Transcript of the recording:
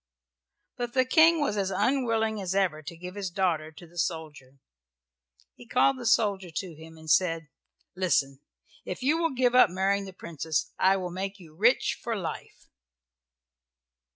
But the King was as unwilling as ever to give his daughter to the soldier. He called the soldier to him and said, "Listen, if you will give up marrying the Princess I will make you rich for life."